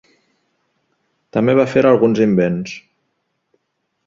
També va fer alguns invents.